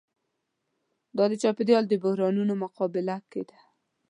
دا د چاپېریال بحرانونو مقابله کې ده.